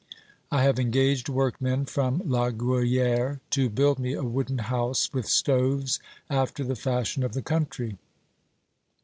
I have engaged workmen from La Gruyere to build me a wooden house, with stoves after the fashion of the country.